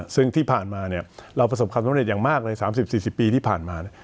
ซึ่งที่ผ่านมาเราประสบความสำเร็จอย่างมากเลย๓๐๔๐ปีที่ผ่านมา